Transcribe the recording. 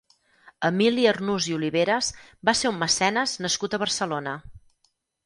Emili Arnús i Oliveras va ser un mecenes nascut a Barcelona.